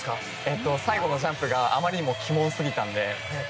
最後のジャンプがあまりにも鬼門すぎたので。